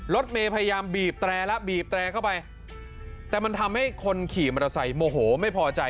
รถเมย์พยายามบีบแตรแล้วบีบแตรเข้าไปแต่มันทำให้คนขี่มอเตอร์ไซค์โมโหไม่พอใจ